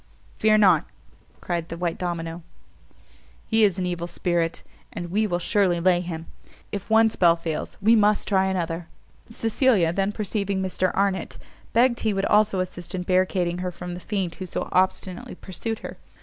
"Fear not," cried the white domino, "he is an evil spirit, and we will surely lay him. If one spell fails, we must try another." Cecilia then perceiving Mr Arnott, begged he would also assist in barricading her from the fiend who so obstinately pursued her.